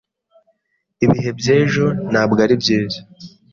Ibihe by'ejo ntabwo ari byiza.